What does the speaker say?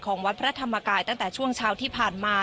วัดพระธรรมกายตั้งแต่ช่วงเช้าที่ผ่านมา